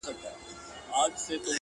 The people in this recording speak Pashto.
• څاڅکي څاڅکي ډېرېږي -